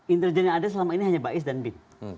intelijen yang ada selama ini hanya bais dan bin